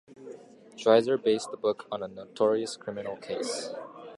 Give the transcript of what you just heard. Dreiser based the book on a notorious criminal case.